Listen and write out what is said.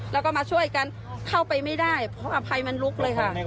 แล้วก็มาช่วยกันเข้าไปไม่ได้เพราะอภัยมันลุกเลยค่ะ